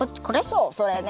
そうそれね。